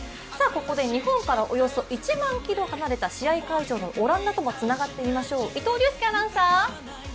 ここで日本からおよそ１万キロ離れた試合会場のオランダともつながってみましょう。